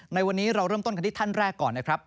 ในวันนี้เราเริ่มต้นกันที่ท่านแรกก่อนนะครับ